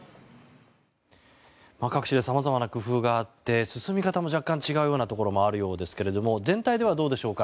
各地でさまざまな工夫があって進み方も若干違うところがあるようですが全体ではどうでしょうか。